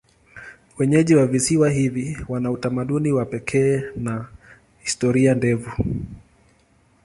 Wenyeji wa visiwa hivi wana utamaduni wa pekee na historia ndefu.